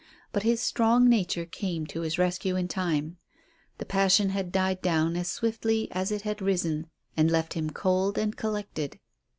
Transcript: But his strong nature came to his rescue in time. The passion had died down as swiftly as it had risen and left him cold and collected.